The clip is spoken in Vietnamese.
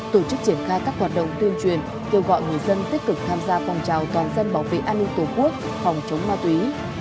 tổ chức triển khai các hoạt động tuyên truyền kêu gọi người dân tích cực tham gia phòng trào toàn dân bảo vệ an ninh tổ quốc phòng chống ma túy